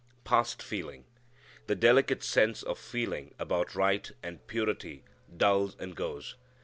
"Past feeling!" The delicate sense of feeling about right and purity dulls and goes.